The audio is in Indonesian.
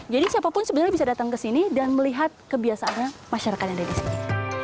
jadi siapapun sebenarnya bisa datang ke sini dan melihat kebiasaannya masyarakat yang ada di sini